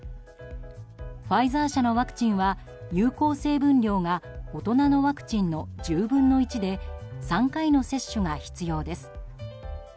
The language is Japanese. ファイザー社のワクチンは有効成分量が大人のワクチンの１０分の１で３回の接種が必要です。